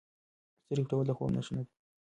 سترګې پټول د خوب نښه نه ده.